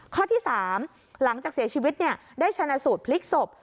ข้อที่๓หลังจากเสียชีวิตได้ชนะสูตรพลิกศพ